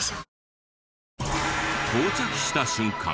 到着した瞬間